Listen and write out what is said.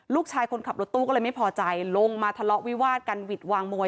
คนขับรถตู้ก็เลยไม่พอใจลงมาทะเลาะวิวาดกันหวิดวางมวย